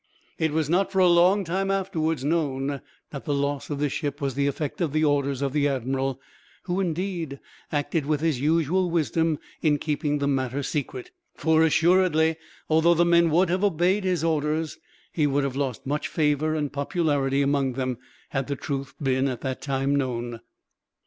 It was not, for a long time afterwards, known that the loss of this ship was the effect of the orders of the admiral; who, indeed, acted with his usual wisdom in keeping the matter secret; for assuredly, although the men would have obeyed his orders, he would have lost much favor and popularity among them, had the truth been at that time known.